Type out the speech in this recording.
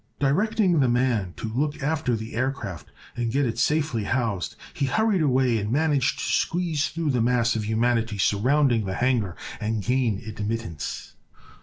Directing the man to look after the aircraft and get it safely housed, he hurried away and managed to squeeze through the mass of humanity surrounding the hangar and gain admittance.